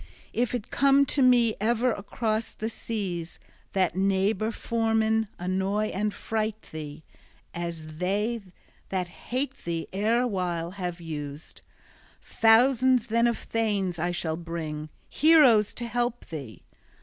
If it come to me ever across the seas that neighbor foemen annoy and fright thee, as they that hate thee erewhile have used, thousands then of thanes I shall bring, heroes to help thee.